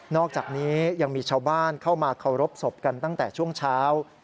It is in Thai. อกจากนี้ยังมีชาวบ้านเข้ามาเคารพศพกันตั้งแต่ช่วงเช้า